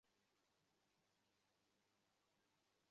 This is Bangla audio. তোদের কেউ কি ওকে দেখেছিস?